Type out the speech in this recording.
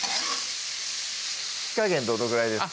火加減どのぐらいですか？